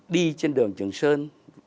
đi trên đường trường sơn